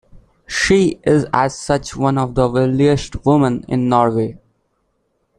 She is as such one of the wealthiest women in Norway.